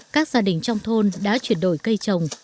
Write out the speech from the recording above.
các gia đình trong thôn đã chuyển đổi cây trồng